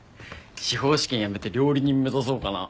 司法試験やめて料理人目指そうかな。